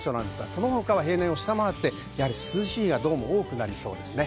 そのほかは平年を下回って、涼しい日が多くなりそうです。